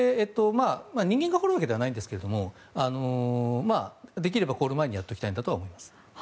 人間が掘るわけでないですができればやっておきたいんだと思います。